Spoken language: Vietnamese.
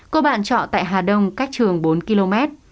cô bạn chọn tại hà đông cách trường bốn km